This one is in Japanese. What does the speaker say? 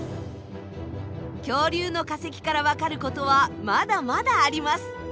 恐竜の化石からわかることはまだまだあります。